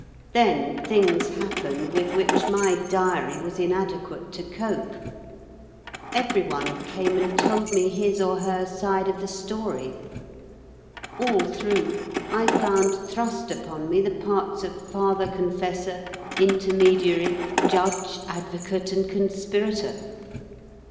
Then things happened with which my diary was inadequate to cope. Everyone came and told me his or her side of the story. All through, I found thrust upon me the parts of father confessor, intermediary, judge, advocate, and conspirator....